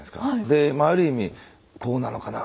でまあある意味「こうなのかな？